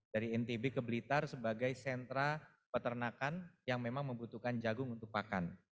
dari ntb ke blitar sebagai sentra peternakan yang memang membutuhkan jagung untuk pakan